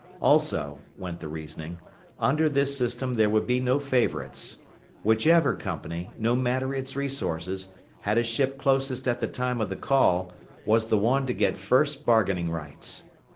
Also, went the reasoning, under this system there would be no favorites. Whichever company, no matter its resources, had a ship closest at the time of the call, was the one to get first bargaining rights.